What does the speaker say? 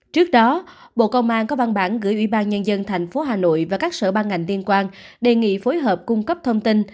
trước đó bộ công an có văn bản gửi ủy ban nhân dân tp hà nội và các sở ban ngành liên quan đề nghị phối hợp cung cấp thông tin